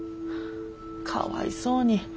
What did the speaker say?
かわいそうに。